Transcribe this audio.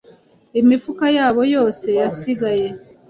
imifuka yabo yose yasigaye,